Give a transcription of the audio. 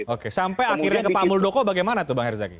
oke sampai akhirnya ke pamuldoko bagaimana tuh bang herzaghi